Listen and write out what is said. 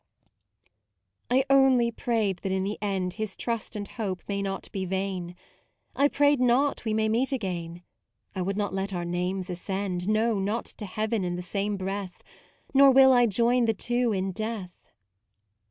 I only prayed that in the end, His trust and hope may not be vain. I prayed not we may meet again: I would not let our names ascend, No, not to Heaven, in the same breath; Nor will I join the two in death.